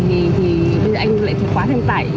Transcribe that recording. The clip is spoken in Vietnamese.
thì anh lại quá thêm tải